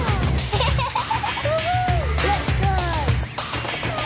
アハハハハ！